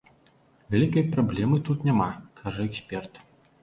Вялікай праблемы тут няма, кажа эксперт.